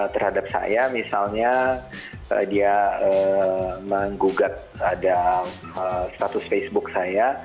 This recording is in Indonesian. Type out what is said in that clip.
terhadap saya misalnya dia menggugat ada status facebook saya